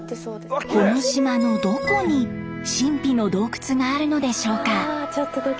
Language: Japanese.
この島のどこに神秘の洞窟があるのでしょうか。